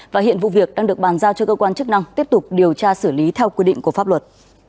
và hiện vụ việc đang được bàn giao cho cơ quan chức năng tiếp tục điều tra xử lý theo quy định của pháp luật